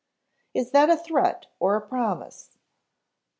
"Is that a threat or a promise?"